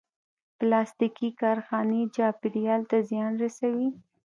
پلاستيکي کارخانې چاپېریال ته زیان رسوي.